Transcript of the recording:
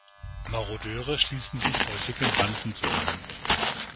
Marodeure schließen sich häufig in Banden zusammen.